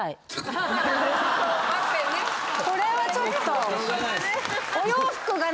これはちょっと。